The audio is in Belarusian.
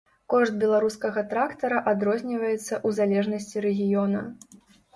Кошт беларускага трактара адрозніваецца ў залежнасці рэгіёна.